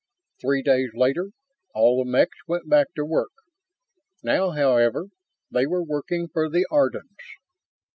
Three days later, all the mechs went back to work. Now, however, they were working for the Ardans.